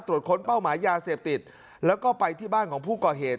ค้นเป้าหมายยาเสพติดแล้วก็ไปที่บ้านของผู้ก่อเหตุ